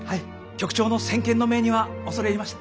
局長の先見の明には恐れ入りました。